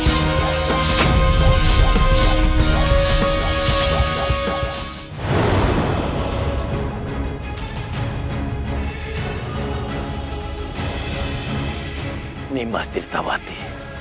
ini masih tawati